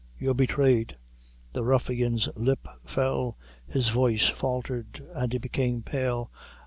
You're betrayed!" The ruffian's lip fell his voice faltered, and he became pale.